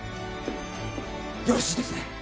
よろしいですね？